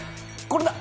これだ！